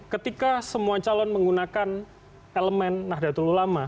ketika semua calon menggunakan elemen nahdlatul ulama